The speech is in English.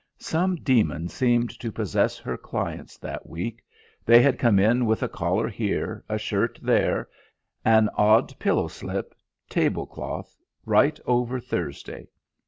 Some demon seemed to possess her clients that week: they had come in with a collar here, a shirt there, an odd pillow slip, tablecloth, right over Thursday.